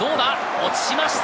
落ちました！